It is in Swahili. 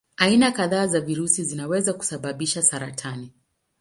Aina kadhaa za virusi zinaweza kusababisha saratani.